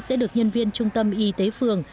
sẽ được nhân viên trung tâm y tế phường